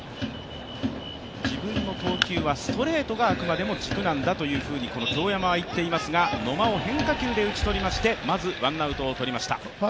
自分の投球はストレートがあくまでも軸なんだとこの京山は言っていますが野間を変化球で打ち取りましてまずワンアウトを取りました。